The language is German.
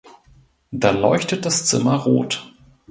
Da leuchtet das Zimmer rot.